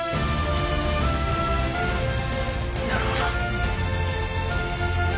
なるほど。